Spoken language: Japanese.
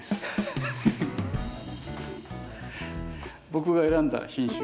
僕が選んだ品種。